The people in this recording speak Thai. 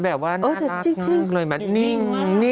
แบบว่าน่ารักเลยนิ่ง